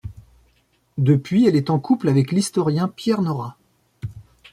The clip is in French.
Depuis, elle est en couple avec l'historien Pierre Nora.